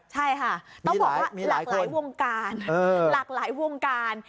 ใช่ค่ะต้องบอกว่าหลากหลายวงการ